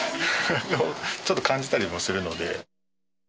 ちょっと感じたりもするので。